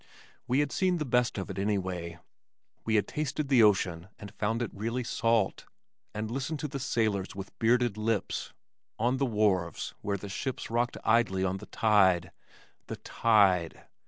We had seen the best of it anyway. We had tasted the ocean and found it really salt, and listened to "the sailors with bearded lips" on the wharves where the ships rocked idly on the tide, The tide!